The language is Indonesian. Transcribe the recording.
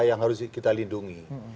yang harus kita lindungi